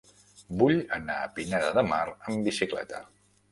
Vull anar a Pineda de Mar amb bicicleta.